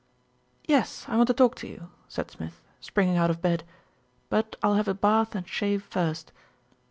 "Yes, I want to talk to you," said Smith, springing out of bed ; "but I'll have a bath and shave first.